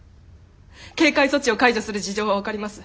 警戒措置を解除する事情は分かります。